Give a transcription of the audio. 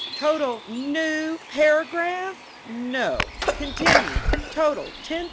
Total " "New paragraph?" "No. Continue. Total, $10,900.